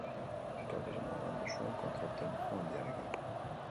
Errealismoa landu zuen, kontrol tekniko handiarekin.